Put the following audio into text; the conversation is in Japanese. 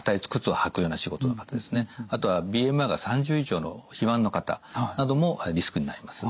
あとはＢＭＩが３０以上の肥満の方などもリスクになります。